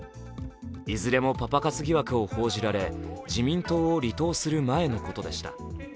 いずれもパパ活疑惑を報じられ自民党を離党する前のことでした。